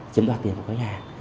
chiếm bạc tiền của khách hàng